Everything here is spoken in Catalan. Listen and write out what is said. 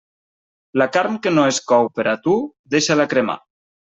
La carn que no es cou per a tu, deixa-la cremar.